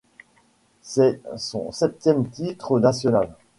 C’est son septième titre national.